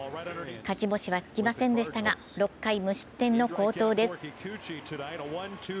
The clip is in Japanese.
勝ち星はつきませんでしたが６回無失点の好投です。